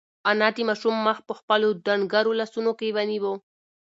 انا د ماشوم مخ په خپلو ډنگرو لاسونو کې ونیو.